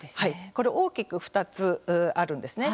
大きく２つあるんですね。